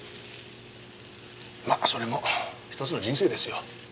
まあそれも一つの人生ですよ。